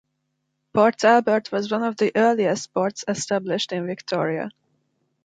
Port Albert was one of the earliest ports established in Victoria.